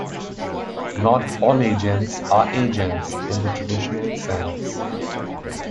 Not all agents are agents in the traditional sense.